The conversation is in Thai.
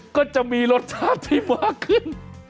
ก็จะมีรสชาติที่มากขึ้น